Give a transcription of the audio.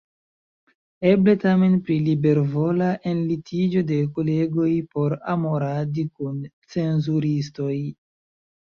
Eble tamen pri libervola enlitiĝo de kolegoj por amoradi kun cenzuristoj.